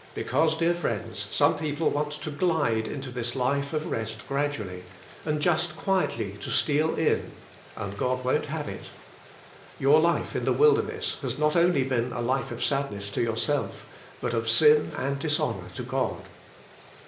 Because, dear friends, some people want to glide into this life of rest gradually; and just quietly to steal in; and God won't have it. Your life in the wilderness has not only been a life of sadness to 3'ourself, but of sin and dishonor to God.